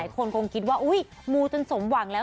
คนคงคิดว่าอุ๊ยมูจนสมหวังแล้ว